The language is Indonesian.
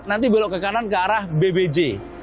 nanti belok ke kanan ke arah bbj